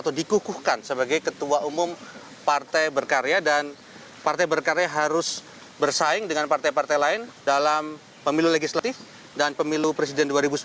atau dikukuhkan sebagai ketua umum partai berkarya dan partai berkarya harus bersaing dengan partai partai lain dalam pemilu legislatif dan pemilu presiden dua ribu sembilan belas